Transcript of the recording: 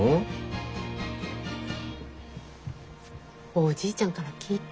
おじいちゃんから聞いた。